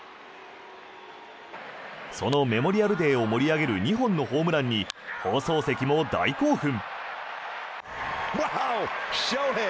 そのメモリアルデーを盛り上げる２本のホームランに放送席も大興奮。